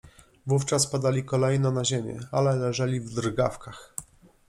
Wówczas padali kolejno na ziemię, ale leżeli w drgawkach.